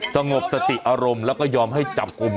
ช่วยเจียมช่วยเจียม